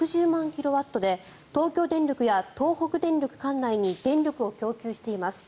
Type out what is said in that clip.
キロワットで東京電力や東北電力管内に電力を供給しています。